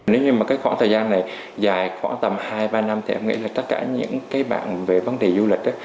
nếu như khoảng thời gian này dài khoảng tầm hai ba năm thì em nghĩ là tất cả những bạn về vấn đề du lịch